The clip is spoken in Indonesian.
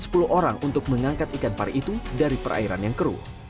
sekitar sepuluh orang untuk mengangkat ikan pari itu dari perairan yang keruh